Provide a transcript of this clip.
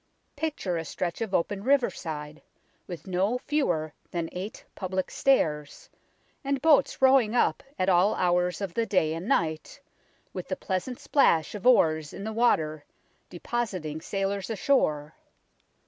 Picture a stretch of open riverside, with no fewer than eight public stairs, and boats rowing up at all hours of the day and night, with the pleasant splash of oars in the water, depositing sailors ashore.